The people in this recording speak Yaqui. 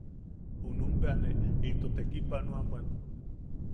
Junum bea ne into tekipanoa bwan.